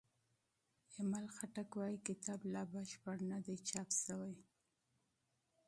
ایمل خټک وايي کتاب لا بشپړ نه دی چاپ شوی.